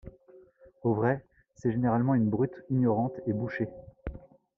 Au vrai, c’est généralement une brute ignorante et bouchée.